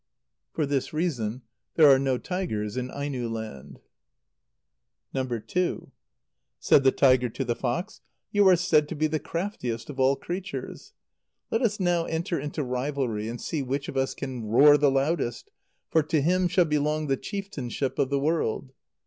For this reason there are no tigers in Aino land. (No. II.) Said the tiger to the fox: "You are said to be the craftiest of all creatures. Let us now enter into rivalry, and see which of us can roar the loudest; for to him shall belong the chieftainship of the world."